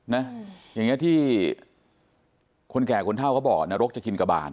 อย่างนี้ที่คนแก่คนเท่าเขาบอกนรกจะกินกระบาน